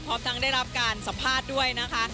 พร้อมทั้งได้รับการสัมภาษณ์ด้วยนะคะ